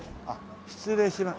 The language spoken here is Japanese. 失礼します